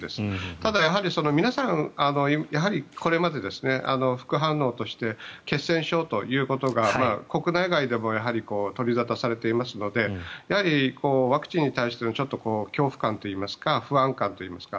ただ皆さん、やはりこれまで副反応として血栓症ということが国内外でも取り沙汰されていますのでやはりワクチンに対する恐怖感といいますか不安感といいますか。